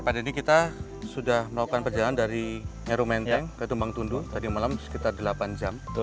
pada ini kita sudah melakukan perjalanan dari heru menteng ke tumbang tundu tadi malam sekitar delapan jam